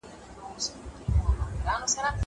زه مخکي ليک لوستی و!